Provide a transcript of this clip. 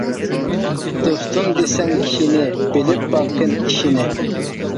دوستۇم دېسەڭ كىشىنى، بىلىپ باققىن ئىشىنى.